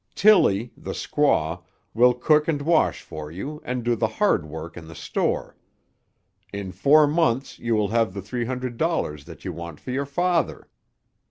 Tilly, the squaw, will cook and wash for you, and do the hard work in the store. In four months you will have the three hundred dollars that you want for your father.